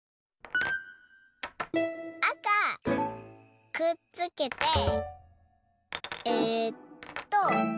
あかくっつけてえっと